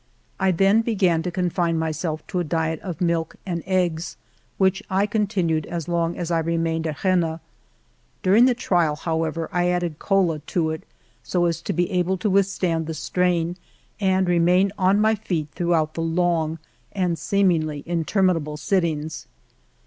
I then began to confine myself to a diet of milk and eggs, which I continued as long as I remained at Rennes. During the trial, how ever, I added kola to it, so as to be able to withstand the strain and remain on my feet throughout the long and seemingly interminable sittings.